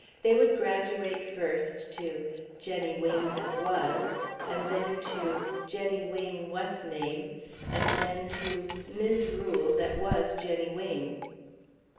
They would graduate first to "Jenny Wing that was," and then to "Jenny Wing What's name," and then to "Mis' Rule that was Jenny Wing...."